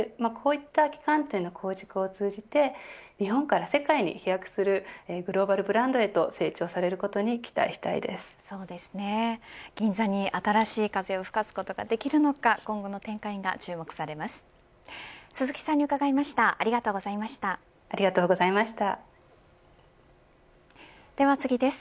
こういった旗艦店の構築を通じて日本から世界に飛躍するグローバルブランドに銀座に新たな風を吹かせることができるのか今後の展開が注目されます。